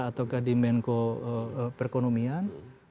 atau di menko perekonomian